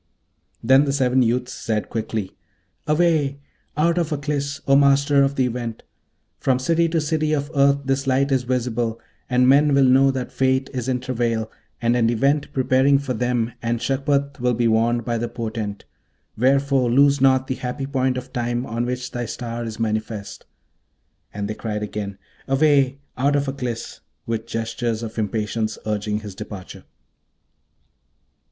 Then the seven youths said quickly, 'Away! out of Aklis, O Master of the Event! from city to city of earth this light is visible, and men will know that Fate is in travail, and an Event preparing for them, and Shagpat will be warned by the portent; wherefore lose not the happy point of time on which thy star is manifest.' And they cried again, 'Away! out of Aklis!' with gestures of impatience, urging his departure.